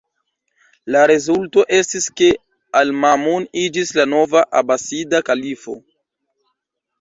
La rezulto estis ke al-Ma'mun iĝis la nova Abasida Kalifo.